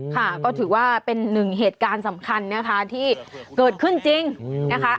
ค่ะก็ถือว่าเป็นหนึ่งเหตุการณ์สำคัญนะคะที่เกิดขึ้นจริงนะคะ